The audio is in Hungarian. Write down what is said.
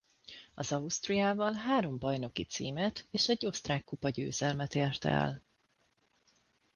Az Austriával három bajnoki címet és egy osztrák kupagyőzelmet ért el.